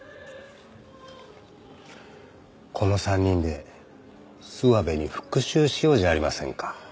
この３人で諏訪部に復讐しようじゃありませんか。